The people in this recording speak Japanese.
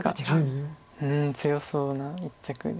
うん強そうな一着です。